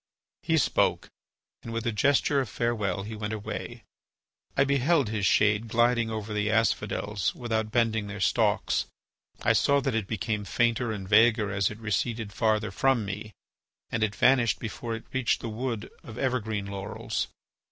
He spoke, and with a gesture of farewell he went away. I beheld his. shade gliding over the asphodels without bending their stalks. I saw that it became fainter and vaguer as it receded farther from me, and it vanished before it reached the wood of evergreen laurels.